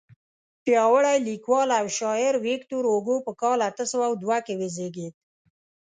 پیاوړی لیکوال او شاعر ویکتور هوګو په کال اته سوه دوه کې وزیږېد.